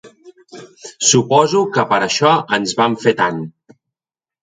Suposo que per això ens vam fer tant.